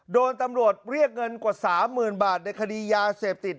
โดนตำรวจเรียกเงินกว่า๓๐๐๐บาทในคดียาเสพติด